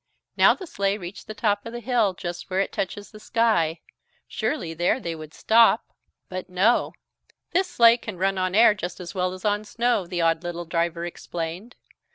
Now the sleigh reached the top of the hill just where it touches the sky. Surely there they would stop. But no "This sleigh can run on air just as well as on snow," the odd little driver explained.